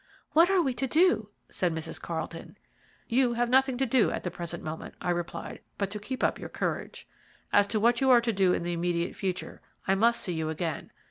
"What are we to do?" said Mrs. Carlton. "You have nothing to do at the present moment," I replied, "but to keep up your courage. As to what you are to do in the immediate future, I must see you again.